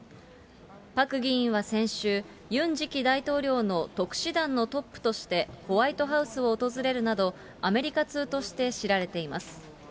パク議員は先週、ユン次期大統領の特使団のトップとして、ホワイトハウスを訪れるなど、アメリカ通として知られています。